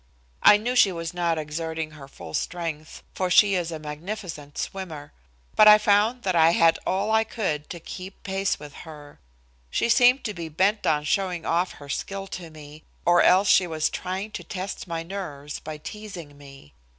I knew she was not exerting her full strength, for she is a magnificent swimmer, but I found that I had all I could do to keep pace with her. She seemed to be bent on showing off her skill to me, or else she was, trying to test my nerves by teasing me.